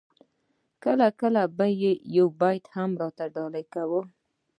کله کله به یې یو بیت هم ورته ډالۍ کاوه.